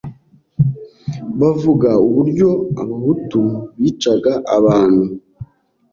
bavuga uburyo Abahutu bicaga abantu